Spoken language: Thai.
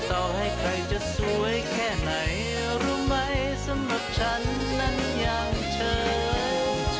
ต่อให้ใครจะสวยแค่ไหนรู้ไหมสำหรับฉันนั้นอย่างเธอ